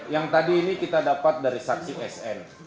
yang tadi ini kita dapat dari saksi s n